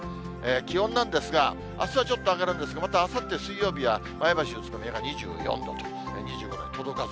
気温なんですが、あすはちょっと上がるんですが、またあさって水曜日は、前橋、宇都宮が２４度と２５度に届かず。